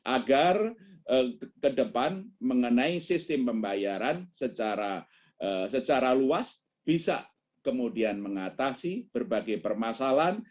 agar ke depan mengenai sistem pembayaran secara luas bisa kemudian mengatasi berbagai permasalahan